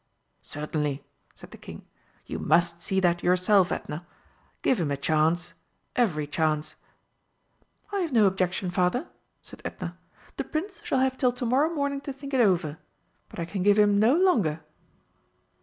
"Certainly," said the King; "you must see that yourself, Edna. Give him a chance every chance!" "I have no objection, Father," said Edna. "The Prince shall have till to morrow morning to think it over but I can give him no longer."